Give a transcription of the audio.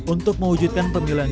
untuk mewujudkan pemilihan